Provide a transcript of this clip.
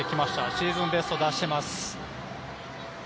シーズンベスト出してます。